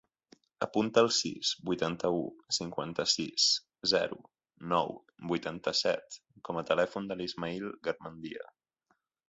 Apunta el sis, vuitanta-u, cinquanta-sis, zero, nou, vuitanta-set com a telèfon de l'Ismaïl Garmendia.